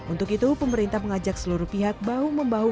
untuk itu pemerintah mengajak seluruh pihak bahu membahu